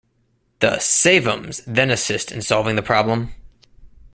The Save-Ums then assist in solving the problem.